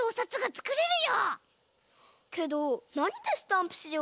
けどなにでスタンプしよう？